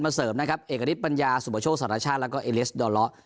มาเสริมนะครับเอกอาทิตย์ปัญญาสุปโปรโชคสัตว์ราชาแล้วก็เอเลสดอลเลา